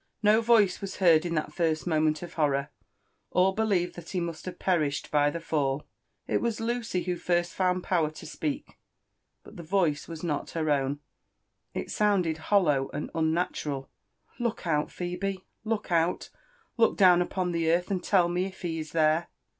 No voice was heard in that first moment of horror ; all believed that he must have perished by the fall . It was Lucy who first found powet to speak ; but tlie voice was not her own, it sounded hollow and un natural— Look out! — Phebe!— look out! — ^look down upon the earth and tell me if he is there."